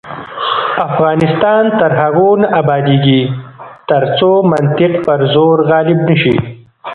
افغانستان تر هغو نه ابادیږي، ترڅو منطق پر زور غالب نشي.